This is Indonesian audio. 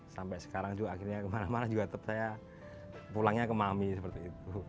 sampai sekarang juga akhirnya kemana mana juga tetap saya pulangnya ke mami seperti itu